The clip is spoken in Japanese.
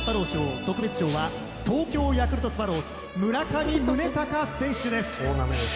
特別賞は東京ヤクルトスワローズ村上宗隆選手です。